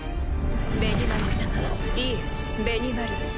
ベニマル様いえベニマル。